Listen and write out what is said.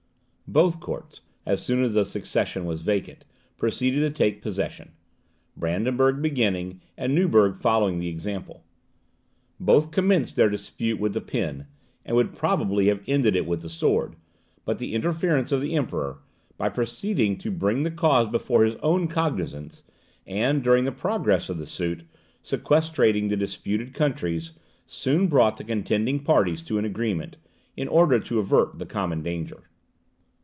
Both courts, as soon as the succession was vacant, proceeded to take possession; Brandenburg beginning, and Neuburg following the example. Both commenced their dispute with the pen, and would probably have ended it with the sword; but the interference of the Emperor, by proceeding to bring the cause before his own cognizance, and, during the progress of the suit, sequestrating the disputed countries, soon brought the contending parties to an agreement, in order to avert the common danger.